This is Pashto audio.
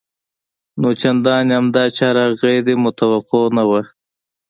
نو چندان هم دا چاره غیر متوقع نه وه